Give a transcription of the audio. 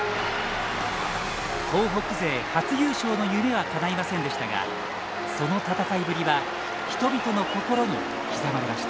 東北勢初優勝の夢はかないませんでしたがその戦いぶりは人々の心に刻まれました。